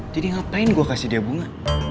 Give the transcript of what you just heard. jadi ngapain gue kasih dia bunga